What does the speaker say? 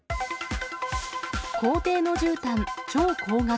皇帝のじゅうたん、超高額。